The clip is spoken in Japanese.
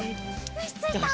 よしついた！